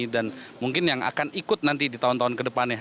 dan mungkin yang akan ikut nanti di tahun tahun kedepannya